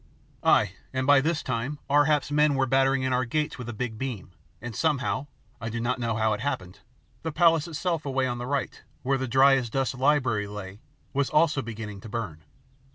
Ay, and by this time Ar hap's men were battering in our gates with a big beam, and somehow, I do not know how it happened, the palace itself away on the right, where the dry as dust library lay, was also beginning to burn.